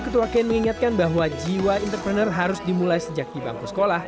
ketua kan mengingatkan bahwa jiwa entrepreneur harus dimulai sejak di bangku sekolah